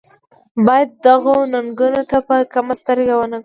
باید دغو ننګونو ته په کمه سترګه ونه ګوري.